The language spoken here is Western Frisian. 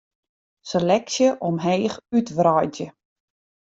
Seleksje omheech útwreidzje.